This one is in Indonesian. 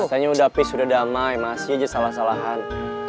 katanya udah peace udah damai masih aja salah salahan